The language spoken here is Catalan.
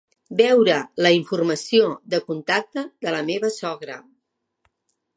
Veure la informació de contacte de la meva sogra.